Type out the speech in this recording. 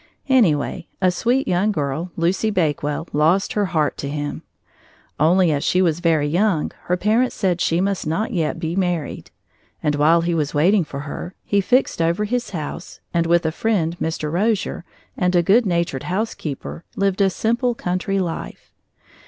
Anyway, a sweet young girl, Lucy Bakewell, lost her heart to him. Only as she was very young, her parents said she must not yet be married. And while he was waiting for her, he fixed over his house, and with a friend, Mr. Rozier, and a good natured housekeeper, lived a simple, country life.